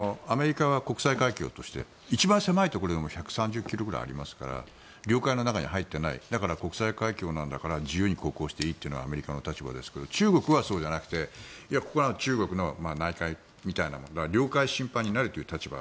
台湾海峡のアメリカ艦艇の通過は別にこれまでなかったわけではなくてアメリカは国際海峡として一番狭いところでも１３０ｋｍぐらいありますから領海の中に入っていないだから国際海峡なんだから自由に航行していいというのはアメリカの立場ですが中国はそうじゃなくてここは中国の内海みたいな領海侵犯になるという立場。